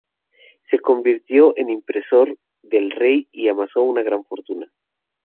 Se convirtió en impresor del Rey y amasó una gran fortuna.